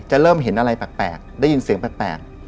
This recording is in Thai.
เริ่มเห็นอะไรแปลกได้ยินเสียงแปลก